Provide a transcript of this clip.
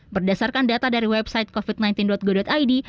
berdasarkan data dari website covid sembilan belas go id